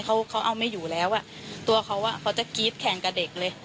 เขาเขาเอาไม่อยู่แล้วอ่ะตัวเขาอ่ะเขาจะกรี๊ดแข่งกับเด็กเลย